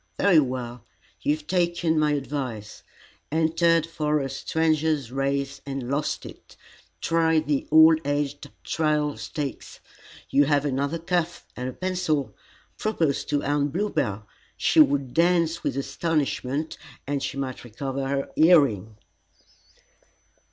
Very well; you have taken my advice, entered for a Stranger's Race and lost it. Try the All aged Trial Stakes. You have another cuff, and a pencil. Propose to Aunt Bluebell; she would dance with astonishment, and she might recover her hearing."